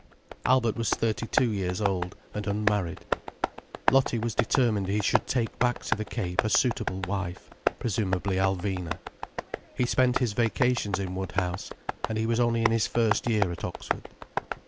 Albert was thirty two years old, and unmarried. Lottie was determined he should take back to the Cape a suitable wife: presumably Alvina. He spent his vacations in Woodhouse—and he was only in his first year at Oxford.